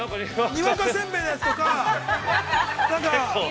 ◆にわかせんべいのやつとか。なんか。